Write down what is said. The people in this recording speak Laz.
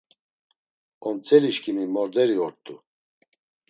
Omtzelişǩimi morderi ort̆u.